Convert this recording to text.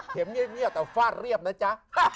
เห็นเงียบแต่ฟาดเหลวนะจ๊ะ